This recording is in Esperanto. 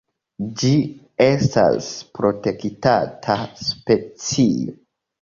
Ĝi estas protektata specio.